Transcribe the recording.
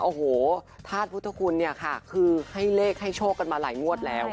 โอ้โหธาตุพุทธคุณเนี่ยค่ะคือให้เลขให้โชคกันมาหลายงวดแล้ว